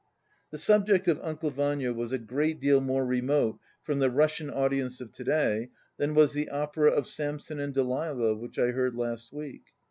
The subject of "Uncle Vanya" was a great deal more remote from the Russian audience of to day than was the opera of "Samson and Delilah" which I heard last week.